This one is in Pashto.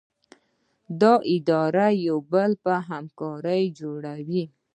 دا اداره د یو بل په همکارۍ جوړه وي.